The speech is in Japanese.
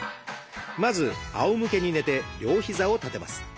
まずあおむけに寝て両膝を立てます。